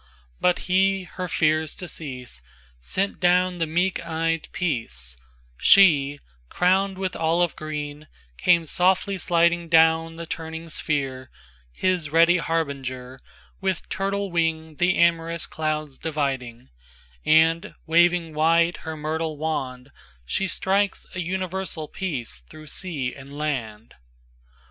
IIIBut he, her fears to cease, Sent down the meek eyed Peace:She, crowned with olive green, came softly slidingDown through the turning sphere, His ready Harbinger, With turtle wing the amorous clouds dividing; And, waving wide her myrtle wand, She strikes a universal peace through sea and land.